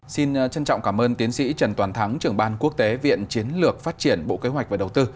xin trân trọng cảm ơn tiến sĩ trần toàn thắng trưởng ban quốc tế viện chiến lược phát triển bộ kế hoạch và đầu tư